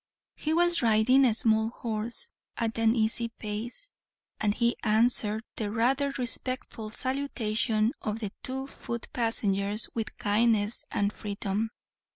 He was riding a small horse at an easy pace, and he answered the rather respectful salutation of the two foot passengers with kindness and freedom.